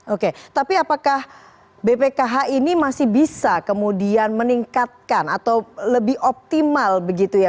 oke tapi apakah bpkh ini masih bisa kemudian meningkatkan atau lebih optimal begitu ya